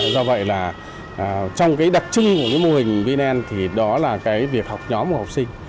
do vậy là trong đặc trưng của mô hình vnen thì đó là việc học nhóm học sinh